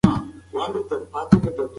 که فاتحه وي نو غمجن نه یوازې کیږي.